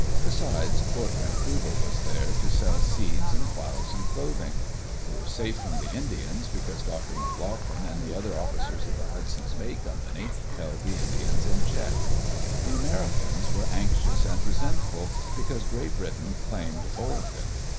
Besides, Fort Vancouver was there, to sell seeds and ploughs and clothing. They were safe from the In dians, because Dr. McLoughlin and the other officers of the Hudson's Bay Company held the Indians in check. The Americans were anxious and resentful because Great Britain claimed "Oregon."